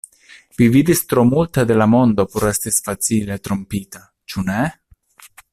Vi vidis tro multe de la mondo por esti facile trompita; ĉu ne?